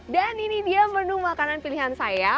dan ini dia menu makanan pilihan saya